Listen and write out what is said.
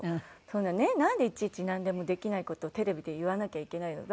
「そんなねなんでいちいちなんでもできない事をテレビで言わなきゃいけないの」。